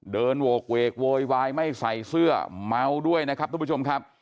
โหกเวกโวยวายไม่ใส่เสื้อเมาด้วยนะครับทุกผู้ชมครับ